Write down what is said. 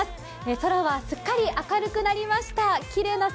空はすっかり明るくなりました。